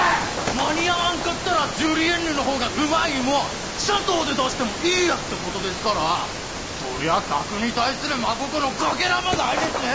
間に合わんかったらジュリエンヌのほうがうまい芋シャトーで出してもいいやってことですからそりゃ客に対する真心のかけらもないですねえ